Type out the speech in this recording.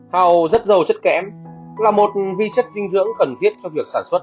hào rất giàu chất kém là một vi chất dinh dưỡng cần thiết cho việc sản xuất